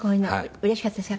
うれしかったですか？